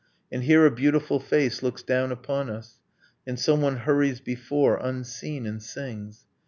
. And here a beautiful face looks down upon us; And someone hurries before, unseen, and sings